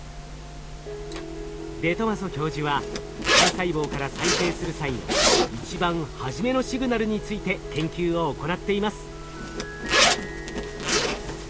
デ・トマソ教授は幹細胞から再生する際の一番はじめのシグナルについて研究を行っています。